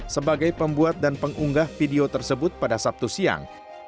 sebagai pembuat dan pengunggah video tersebut pada sabtu siang